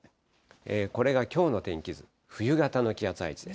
これがきょうの天気図、冬型の気圧配置です。